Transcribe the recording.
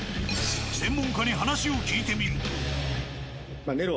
専門家に話を聞いてみると。